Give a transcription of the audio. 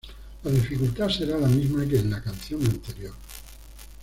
La dificultad será la misma que en la canción anterior.